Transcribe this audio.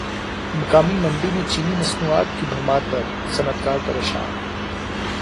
مقامی منڈی میں چینی مصنوعات کی بھرمار پر صنعت کار پریشان